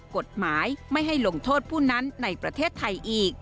กฎหมายไม่ให้ลงโทษผู้นั้นในประเทศไทยอีก